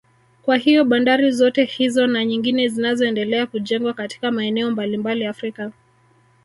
Kwa hiyo bandari zote hizo na nyingine zinazoendelea kujengwa katika maeneo mbalimbali Afrika